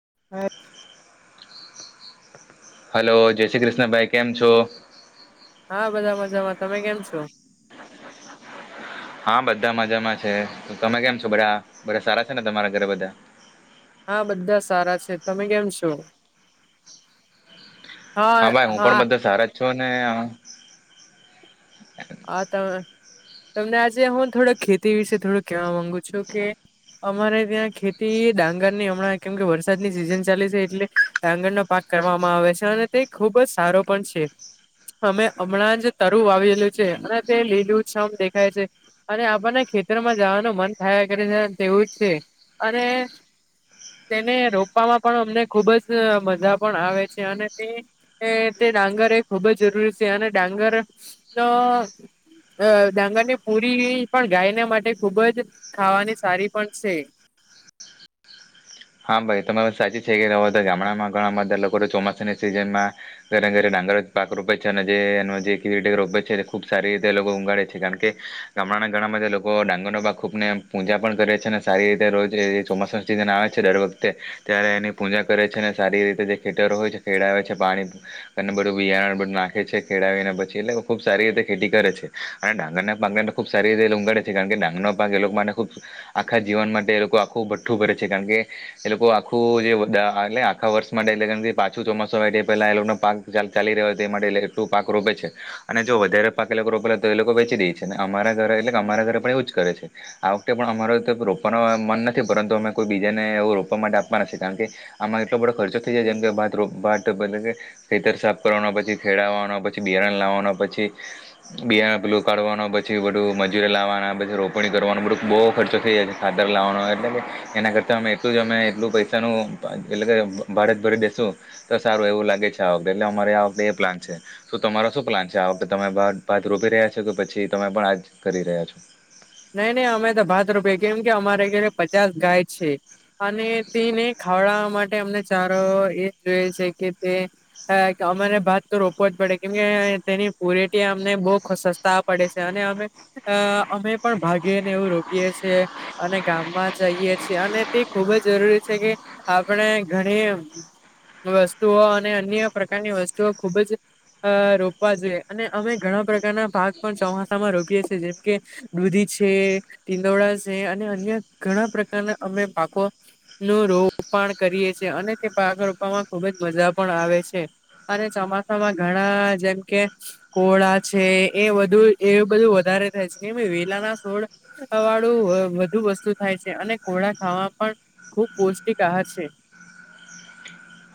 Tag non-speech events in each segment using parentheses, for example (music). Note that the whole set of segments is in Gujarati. હ હલો જય શ્રી કૃષ્ણ ભાઈ કેમ છો હા બધા મજામાં તમે કેમ છો હા બધા મજામાં છે તમે કેમ છો બધા બધા સારા છે ને તમારા ઘરે બધા હા બધા સારા છે તમે કેમ છો હા ભાઈ હું પણ બધા સારા છું ને હા ત તમને આજે હું થોડ ખેતી વિશે થોડું કેવા માંગુ છું કે અમારે ત્યાં ખેતી ડાંગર ની હમણાં કેમ કે વરસાદની સિઝન ચાલી છે એટલે ડાંગરના પાક કરવામાં આવે છે અને તે ખુબ જ સારો પણ છે અમે હમણાં જ તરુ વાલું અને તે લીલું ચમ દેખાય છે અને આપણને ખેતરમાં જવાનું મન થાયે ઉ જ છે અને તેને રોપવામાં પણ અમને ખુબ જ મજા પણ આવે છે અને તે ડાંગર એ ખૂબ જ જરૂરી છે અને ડાંગરનો અ ડાંગરની પૂરી પણ ગાયને માટે ખુબ જ ખાવાની સારી પણ છે (unintelligible) હા ભાઈ તમે સાચી છે કે રો તો ગામડામાં ઘણા બધા લોકો તો ચોમાસાની સિઝન માં ઘરે ઘરે ડાન્ પાક રોપે છે અને જે જે (unintelligible) રોપે છે ખુબ સારી રીતે એ લોકો ઊગાડે છે કારણ કે ગામડા ઘણા બધા લોકો ડાંગરનો બા ખૂબને પૂજા પણ કરે છે અને સારી રીતે રોજ ચોમાસુ સિસન આવે છે દર વખતે ત્યારે એની પૂજા કરે છે અને સારી રીતે જે ખેતરો હોય છે ખેડવે છે પાણી બિયારણ બ નાખે છે ખેડાવને પછી એટ ખુબ સારી રીતે ખેતી કરે છે અને ડાંગર ના પાંગર ખબ સારી રીતે લુંગાડે છે (unintelligible) કારણ કે ડાંગનો પાક એ લોકો માટેને ખૂબ આખા જીવન માટે એ લોકો આખું ભઠ્ઠું ભરે છે કારણ કે એ લોકો આખું જે એટલે આખા વર્ષ માટે એટ પાછું ચોમાસું આવેય પેલા એ લોકો ના પાક ચાલ ચાલી રહ્યો એ માટે એલું પાક રોપે છે અને જો વધારે પાક એ લોકો રોપેલા તો એ લોકો વેચી રે છે ને અમારા ઘર એ અમારા ઘરે પણ એ જ કરે છે આ વખતે પણ અમારે રોવા મન નથી પરંતુ અમે કો બીજા એ રોપવા માટે આપવાના છે કારણ કે આમાં એટલો બધો ખર્ચો થઈ જાય (unintelligible) જેમ કે ખેતર (unintelligible) સાફ કરવાના પછી ખેડાવાનો પછી બિયારણ લાવવાનો પછી બિયારણ પીલું કાઢવાનો પછી મજૂરે લવાના પછી રોપણી કરવાનું બહુ ખર્ચો થઈ જાય છે ખાતર લાવવાનો એટલે એના કરતા મે એટલું જ અમે એટલું પૈસાનું એટલે કે ભારત ભરી બેસુ તો સારું એવું લાગે છે આ એટલે અમારે આ વખતે એ પ્લાન છે શું તમારા શું પ્લાન છે આ વખતે તમે પાજ રૂપી રહ્યા છો કે પછી તમે પણ આજ કરી રહ્યા છો નહી નહી અમે તો ભાત રૂપિયા કેમ કે અમારે ઘ પચાસ ગાય છે અને તેને ખાવડવા માટે અમને ચારો એ જ જોય છે કે તે અમારે ભાત તો રોવો જ પડે કેમકે તેની પુરટી અમને બહુ સસ્તા પડે છે અને અમે અ અમે પણ ભાગીને એવું રોકીએ છેએ અને ગામમાં જઈએ છેએ અને તે ખુબ જ જરૂરી છે કે આપણે ઘણી વસ્તુઓ અને અન્ય પ્રકારની વસ્તુઓ ખુબ જ અ રોપવા જોઈએ અને અમે ઘણા પ્રકારના ભાગ પણ ચોમાસામાં રોપીએ છીએ જેમ કે દૂધી છે તીંદોડા છે અને અન્ય ઘણા પ્રકારના અમે પાકો ન રોપણ કરીએ છીએ અને તે પાક રોપવામાં ખુબ જ મજા પણ આવે છે અને ચોમાસામાં ઘણા જેમ કે કોળા છે એ બુ એ બધું વધારે થાય છે (unintelligible) વેલા ના સોળ વાળું વધુ વસ્તુ થાય છે અને ઘોડા ખાવા પણ ખુબ પૌષ્ટીક આહાર છે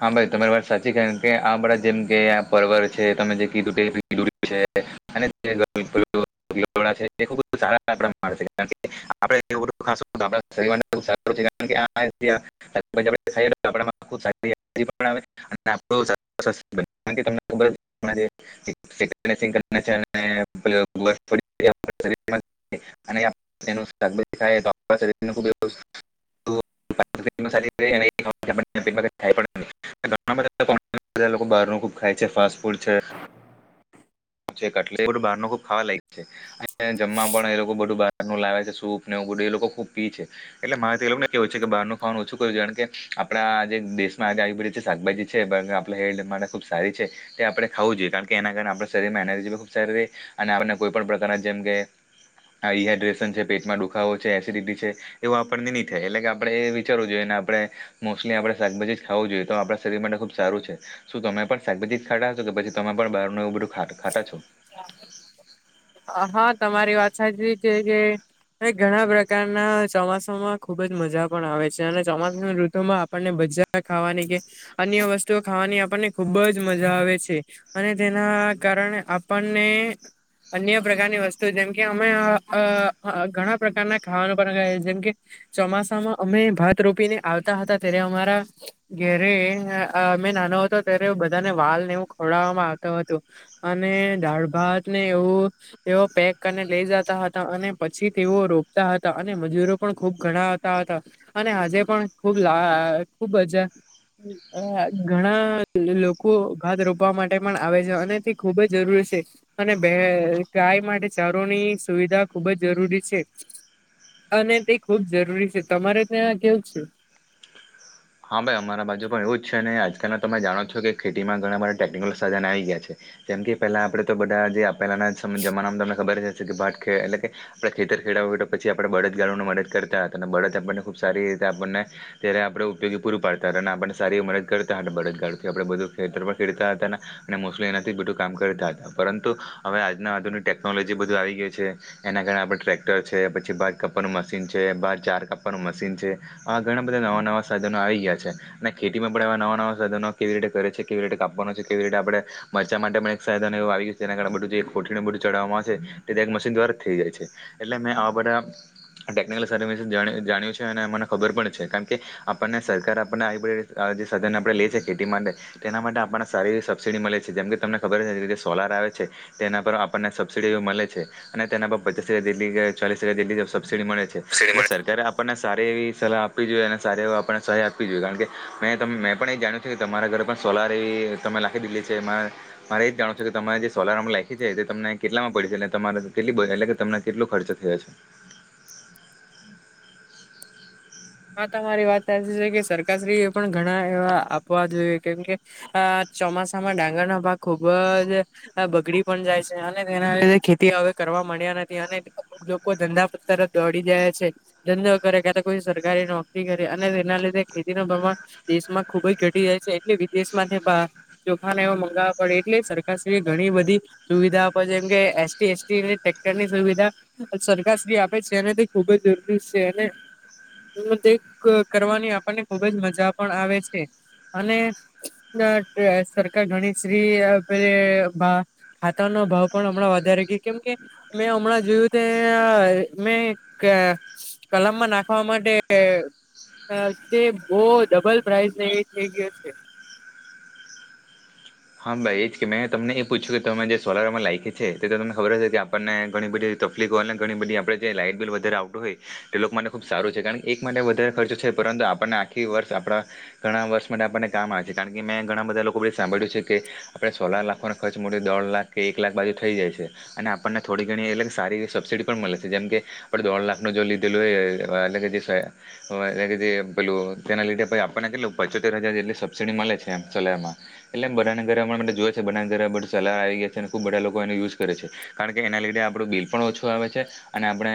હા ભાઈ તમારી વાત સાચી કારણ કે આ બધા જેમ કે આ પર્વર છે તમે જે કીધું (unintelligible) વિષે (unintelligible) અને ખ સારા કારણ આપ (unintelligible) (unintelligible) (unintelligible) કારણ કે તમને ખબર (unintelligible) (unintelligible) અને આપડે તેનું શાકાભાજી ખાઈએતો આપણા શરીર ખૂબ વસ્તુઓ (unintelligible) (unintelligible) ઘણા બધા લોકો બહારનું ખૂબ ખાય છે ફાસ્ટ ફૂડ છે (inaudible) (unintelligible) બહારનું ખુબ ખાવા લાવે છે અને જમવા પણ એ લોકો બધું બહારનું લાવે છે સૂપ ને એવું બધું એ લોકો ખુબ પી છે એટલે મારે લોકો કેવું છે કે બહારનું ખાવાનું ઓછું કર્યું છે કારણ કે આપડા જે આયુર્વેદિક જે શાકભાજી છે આપણે હેલ્થ માટે ખુબ સારી છે તે આપણે ખાવું જોઈએ કારણ કે એના કારણે આપણે શરીર એનર્જી ખૂબ સારી રે અને આપણને કોઈ પણ પ્રકારના જેમ કે આ ડીહાઈડ્રેશન છે પેટમાં દુખાવો છે એસિડિટી છે એવો આપણને નહી થાય એટલે કે આપણેે એ વિચારવું જોએ એને આપણે મોસ્ટલી આપણે શાકાભાજી ખાવું જોઈએ તો આપણા શરીર માટે ખુબ સારું છે શું તમે પણ શાભાજી જ ખાતાા છો કે પછી તમે પણ બારનું એવું બધું ખા ખાતા છો (inaudible) હા હા તમારી વાત સાચી છે કે ઘણા પ્રકારના ચોમાસામાં ખુબ જ મજા પણ આવે છે અને ચોમાસા ઋતુમાં આપને ભજીયા ખાવાની કે અન્ય વસ્તુઓ ખાવા ની આપણને ખૂબ જ મજા આવે છે અને તેના કારણે આપણને અન્ય પ્રકારની વસ્તુ જેમકે અમે અ અ ઘણા પ્રકારના ખાવાનું પણએ જેમ કે ચોમાસામાં અમે ભાત રોપીને આવતા હતા ત્યારે અમારા ઘરે અમે નાનો હતો ત્યારે બધાને વાલને એવું ખડવામાં આવ હતું અને દાળ ભાતને એવું એ પેક કરીને લઈ જાતા હતા અને પછી તેઓ રોપતા હતા અને મજૂરો પણ ખુબ ઘણા આવતા હતા અને આજે પણ ખુબ લા ખુબજા ઘણા લોકો ભાત રોપવા માટે પણ આવે છે અને તે ખુબ જ જરૂરી છે અને ભેં ગાય માટે ચારોની સુવિધા ખુબ જ જરૂરી છે અને તે ખુબ જરૂરી છે તમારે ત્યાં કેવું છે હા ભાઈ અમારા બાજુ પણ એવું જ છે અને આજકાલ તમે જાણો છો કે ખેતીમાં ઘણા બધા ટેકનિકલો સાધાને આવી ગયા છે જેમ કે પેલા આપડે તો બધા જે પેલાના જમાનામાં તમને ખબર છે એટલે કે ભાત ખાઇ એટલે કે આપણેે ખેતર ખેડાવું હોય તો પછી આપડે બળદગાડાનો મદદ કરતા હતા અને બળદ આપણને ખુબ સારી આપણને ત્યારે આપણેે ઉપયોગી પૂરું પાડતા હતા આપણને સારી એવી મદદ કરતા હતા બળદગાડું કે આપણે બધું ખેતર ખેડતા હતા અને મોસ્ટલી એના એ બધું કામ કરતા હતા પરંતુ હવે આજના આધુનિક ટેકનોલોજી બધું આવી ગયું છે એના કારણે આપણે ટ્રે ક્ટર છે પછી ભાત કપનું મશીન છે ભાતચાર કાપવાનું મશીન છે આવા ઘણા બધા નવા નવા સાધનો આવી ગયા છે અને ખેતીમાં પણ આવા નવા નવા સાધનો કેવી રીતે કરે છે કેવી રીતે કાપવાનો છે કેવી રીતે આપણે મરચા માટે પણ એક સાાધન એવું આવી ગયું છે જેના કારણેબધું જે કોથળી ને બધું ચડાવામાં આવે છે તે એક મશીન દ્વારા થઈ જાય છે એટલે મેં આવા બધા ટેકનિકલ સાધન વિશે જાણ્યું જાણ્યું છે અને મને ખબર પણ છે કારણ કે આપણને સરકાર આપણને આવી બધી જે સાધન આપણે લે છે ખેતી માટે તેના માટે આપણને સારી એવી સબસિડી મળે છે જેમ કે તમને ખબર એ સોલાર આવે છે તેના પર આપણને સબસિડી મળે છે અને તેના પર પચાસ હજાર ચાલીસ હજાર જેટલી સબસડી મળે છે એટલે સરકારે આપણને સારી એવી સલાહ આપવી જોઈએ અને સારા એવા આપણને સહાય આપવી જોઈએ કારણ કે મેં ત મેં પણ એ જાણ્યું છે કે તમારા ઘરે પણ સોલાર એવી તમે નાખી દીધી છે મારે એ જ જાણવું છું કે તમારે જે સોલાર આમ નાખી છે તે તમને કેટલામાં પડી છે એટલે તમારે કેટલી બજે એટલે કે તમને કેટલું ખર્ચ થયા છે (inaudible) હા તમારી વાત સાચી છે કે સરકારશ્રીએ પણ ઘણા એવા આપવા જોઈએ કેમકે અ ચોમાસામાં ડાંગરના ભાગ ખુબ જ બગડી પણ જાય છે અને તેના લીધે ખેતી હવે કર વા મળ્યા નથી અને લોકો ધંધા તરફ દોડી જાયા છે ધંધો કરે કા તો કોઈ સરકાર કારી નોકરી કરે અને તેના લીધે ખેતી નું પ્રમાણ દેશમાં ખુબ જ ઘટી જાય છે એટલે વિદેશમાંથી ભા ચોખાને એવા મંગાવવા પડે એટલે સરકારશ્રી ઘણી બધી સુવિધા આપે છે જેમ કે એસટી એસટી અને ટ્રેક્ટરની સુવિધા સરકારશ્રી આપે છે અને ખુબ જ જરૂરી છે અને હ તે ક કરવાની આપણને ખુબ જ મજા પણ આવે છે અને સરકાર ગણી શ્રી પે હાથ ન ભાવ પણ હમણાં વધારે ગ કેમ કે મેં હમણાં જોયું ત મેં કલામમાં નાખવા માટે તે બહ ડબલ પ્રાઈઝ થઈ ગયો છે હા ભાઈ એજ કે મેં તમને એ પૂછ્યું કે તમે જે સોલારમાં લાયકે છે તે તો તમને ખબર હશે કે આપણને ઘણી બધી તકલીફ હો અનેને ઘણી બધી આપણે જે લાઈટ બિલ વધારે આવતું હોય તે લોકો માટે ખૂબ સારું છે કારણ કે એક માટે વધારે ખર્ચો છે પરંતુ આપણને આખી વર્ષ આપણા ઘણા વર્ષ માટે આપણને કામ આવે છે કારણ કે મેં ઘણા બધા લોકોી સાંભળ્યું છે આપણેે સોલાાર લાખનો ખર્ચ મો દોઢ લાખ કે એક લાખ બાજુ થઈ જાય છે અને આપણને થોડી ઘણી એટલે સબ મળે છે જેમ કે આપ દોઢ લાખ ન જો લીધેલુંય પેલું તેના લીધે આપણને કેટલું પચોતેર હજાર જેટલી સબસસીડી મળે છેમ સલાયમાં એટલે બ ઘ જો છે બ ઘ બ સલા આવી ગયા છે અને ખુબ બધા લોકો એને યુઝ કરે છે કારણ કે એના લીેડું બ એ પણ ઓછું આવે છે અને આપણે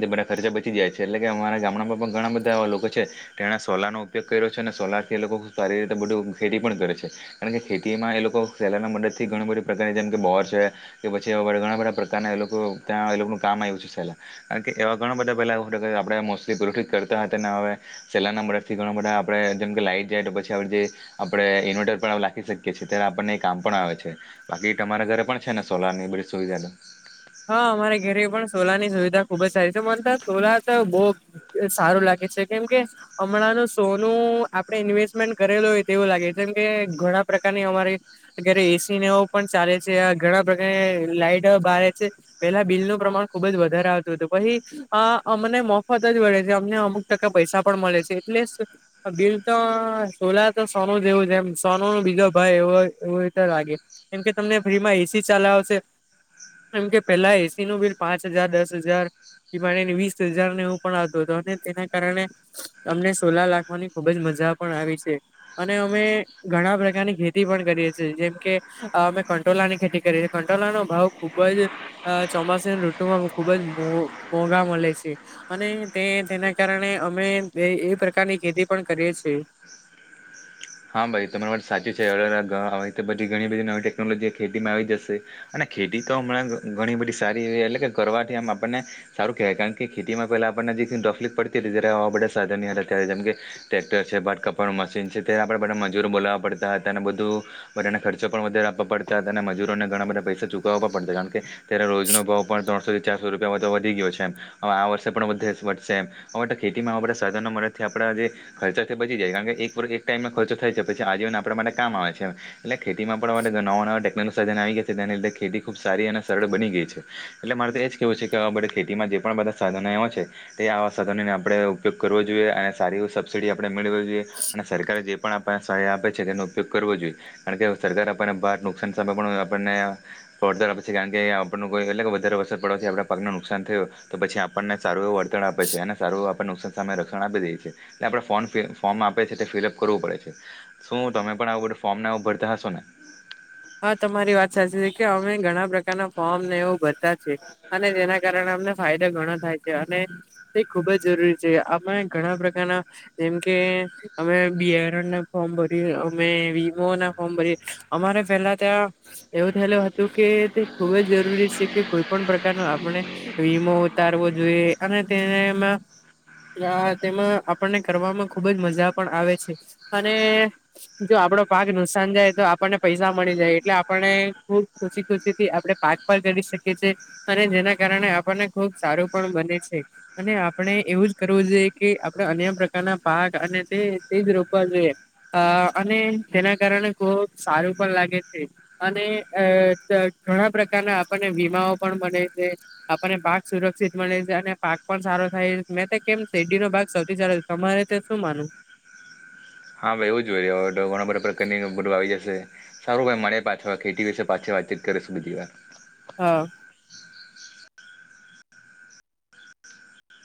તે બધા ખર્ચા બચી જાય છે એટલે કે અમારા ગામડામાં પણ ઘણા બધા એવા લોકો છે તેણે સોલાાર નો ઉપયોગ કર્યો છે અને સોલાર થી એ લોકો સારી રીતે બધું ખેતી પણ કરે છે કારણ કે ખેતીમાં એ લોકો સેલરના મદદથી ઘણી બધી પ્રકારની જેમ કે બોર છે કે પછીડ ઘણા બધા પ્રકારના ત્યાં એનું કામ આવ્યું છે સહેલા કારણ કે એવા ઘણા બધા પેલા આપ મોલી પુરઠિત કરતા હતા સેલા ના બરફથી બધા આપડે જેમ કે લાઈટ જાય તો પછી આપડે ઈન્વર્ટર રાી શકીએ છીએ ત્યારે આપણને એ કામ પણ આવે છે બાકી તમારા ઘરે પણ છે ને સોલાર ની બધ સુવિધા વિધા ખુબ જ સારી છે મને તો સોલાર તો બ સારું લાગે છે કેમ કે હમણાંનું સો સ્ટમે કરેલું હોય તેવું લાગે જેમ કે ઘણા પ્રકારની અમારી અ સનેવ પણ ચાલે છે ઘણા પ્રકારે લાઈટ બારે છે પેલા બિલનુંું પ્રમાણ ખુબ જ વધારે આવતું હતું પછી અમને મફત જ મળડે છે અમને અમુક પૈસા પણ મળે છે એટલે બિલ તો સોલા તો સોનું જવું છેમ સોનું ન બજ ભાઈ એવ એવ તો લાગે કેમ કે તમને ફ્રીમાં એસી ચલાવશે એમ કે પેલા એસી નું બિલ પાંચ હજાર દસ હજાર એ મા વીસ હજારને એવું પણ આવતોું હતો અને તેના કારણે અમને સોલા લખવાની ખુબજ મજા ા પણ આવી છે અને અમે ઘણા પ્રકારની ખેતી પણ કરીએ છ છેએ જેમ કે અ કંટોલા ની ખેતી કરી છે કંટોલા નો ભાવ ખુબ જ ચોમાસાની ઋતુમાં ખુબ જ મો મોઘા મળે છે અને તે તેના કારણે અમે એ પ્રકારની ખેતી પણ કરીએ છીએ હા ભાઈ તમારા માટે સાચી છે અ ગા આવે તો પછી ઘણી બધી નવી ટેકનોલોજી ખેતી માં આવી જશે અને ખેતી તો હમણાં ઘણી બધી સારી એટલે કે કરવાથી આમ આપણને સારું કહેવાય કારણ કે ખેતીમાં પેલા આપણને કલીક પડતી હતી ત્યારે આવા બધા સાધન હતા ત્યારે જેમ કે ટ્રેક્ટર છે બા કપા મશીન અત્યારે આપણે બધા મજૂરો બોલાવવા પડતા હતાને બધું બધાને ખર્ચો પણ વધારે આપવા પડતા હતાના મજૂરોને ઘણા બધા પસા ચુકવવા પડશે કારણ કે તે્યારે રોજ નો ભાવ પણ ત્રણસોથી ચારસો રૂપિયા વધી ગયો છે એવે આ વર્ષે પણ ખેતીમાંા સાધનો મદથી આપ જે ખર્ચા બચી જાય કારણ કે એક વર્ ટાઈમમાં ખર્ચો થાય છે પછી આજીવન આપણા માટે કામ આવે છે એટલે ખેતીમાં આપ માટે નવા નવા ટેકનોલો સાજન આવી ગ છે લીધે ખેતી ખૂબ સારી અને સરળ બની ગઈ છે એટલે મારે તો એજ કેવું છે કે ખેતીમાં જે પણ બધા સાધનો ધ આપે ઉપયોગ કરવો જોઈએ અને સારી સબસસીડી આપે મેળવી જોઈએ આપ જે પણ આપણને સહાય આપે છે તેનો ઉપયોગ કરવો જોઈએ કારણ કે સરકારારે આપણને ભાર નુકસાન સામે પણ આપણને ફ આપે છે કારણ કે આપણઈ અલગ વધારે વસર પડવાથી આપ પાક ન નુકસાન થયું તો પછી આપણને વર્તણ આપે છે અને સારું આપણે નુકસાન સામે રક્ષણ આપી દે છે એ આપણે ફોર્મ આપે છે ફિલઅપ કરવું પડે છે શું તમે પણ આવું બધું ફોર્મ ભરતા હશો ને હા તમારી વાત સાચી છે કે અમે ઘણા પ્રકારના ફોર્મ ને એવો બધતા અને જેના કારણે અમને ફાયદા ઘણા થાય છે અને તે ખુબ જ જરૂરી છે આમાં ઘણા પ્રકારના જેમ કે ફોર્મ ભર અમો ફોર્મ ભર અમારે પેલા ત્યાં એવું થયેલું હતું કે તે ખૂબ જ જરૂરી છે કે કોઈ પણ પ્રકારનું આપણે વીમો ઉતારવો જોઈએ અને તેને એમાં તેમાં આપણને કરવામાં ખુબ જ મજા પણ આવે છે અને જો આપડો પાક નુકસાન જાય તો આપણને પૈસા. મળી જાય. એટલે આપને ખબ ખુશી ખુશીથી આપણે પાક પર કરી શકીએીએ. અને જેના કારણે આપણને ખુબ સારું પણ બને છે. અને આપણે એવું જ કરવું જોઈએ કે આપણેે અન્ય પ્રકારના. પાક અને તે તેજ રોવા જોઈ. અને તેના કારણે ખુબ સારું. પણ લાગે છે. અને ઘણા પ્રકારના આપણને વીમાઓ પણ બને છે. આપને પાક સુરક્ષિત મળે છે. અને પાક પણ સારો થાય. મેં તો કેમ શેરડી નો ભાગ સૌથી સારો તમારે. તે તોું માન. હા ભાઈ એવું જ. જોય રહ ઘણા બધા પ્રકારનીવા આવી જશે સારું ભાઈ મરે પાછા ખેતી વિશે પાછા વાળ. (unintelligible) હા!